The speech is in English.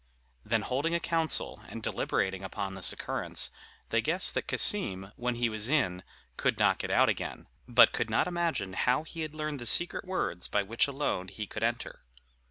Then holding a council, and deliberating upon this occurrence, they guessed that Cassim, when he was in, could not get out again, but could not imagine how he had learned the secret words by which alone he could enter.